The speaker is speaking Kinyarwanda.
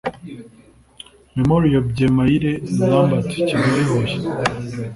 Memorial Byemayire Lambert (Kigali-Huye)